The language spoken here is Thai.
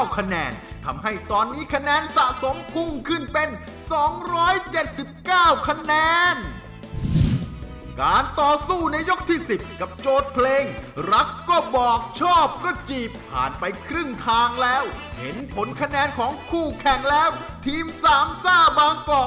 กี่คะแนนครับ